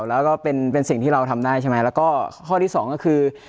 แล้วก็เป็นเป็นสิ่งที่เราทำได้ใช่ไหมแล้วก็ข้อที่สองก็คือ